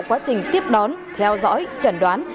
quá trình tiếp đón theo dõi chẩn đoán